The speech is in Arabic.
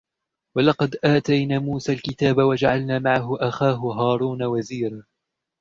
ولقد آتينا موسى الكتاب وجعلنا معه أخاه هارون وزيرا